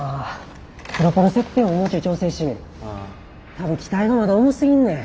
多分機体がまだ重すぎんねん。